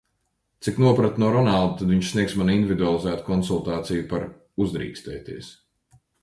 Cik nopratu no Ronalda, tad viņš sniegs man individualizētu konsultāciju par "Uzdrīkstēties".